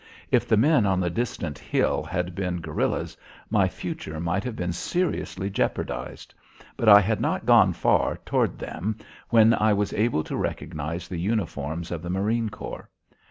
If the men on the distant hill had been guerillas, my future might have been seriously jeopardised, but I had not gone far toward them when I was able to recognise the uniforms of the marine corps.